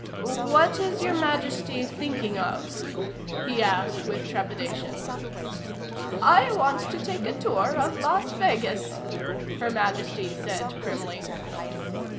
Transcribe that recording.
_ "What is Your Majesty thinking of?" he asked with trepidation. "I want to take a tour of Las Vegas," Her Majesty said primly.